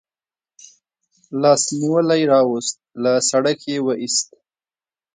لاس نیولی راوست، له سړک یې و ایست.